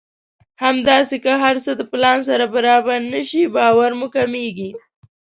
همداسې که هر څه د پلان سره برابر نه شي باور مو کمېږي.